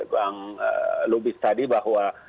bang lubis tadi bahwa